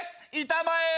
板前。